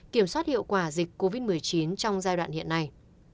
kiểm soát hiệu quả dịch covid một mươi chín trong giai đoạn hiện nay